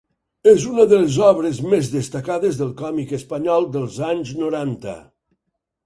És una de les obres més destacades del còmic espanyol dels anys noranta.